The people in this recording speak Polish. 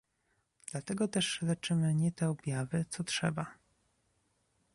Dlatego też leczymy nie te objawy, co trzeba